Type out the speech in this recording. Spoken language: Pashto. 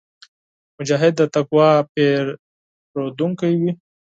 مجاهد د تقوا پېرودونکی وي.